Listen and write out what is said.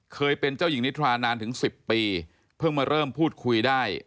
เคยเป็นเจ้าหญิงนิทรานานถึง๑๐ปีเพิ่งมาเริ่มพูดคุยได้